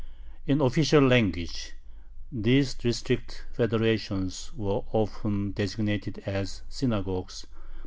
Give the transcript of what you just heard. In official language these District federations were often designated as "synagogues."